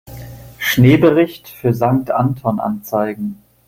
Schneebericht für Sankt Anton anzeigen.